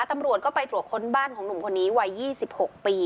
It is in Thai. ตำรวจก็ไปตรวจค้นบ้านของหนุ่มคนนี้วัย๒๖ปี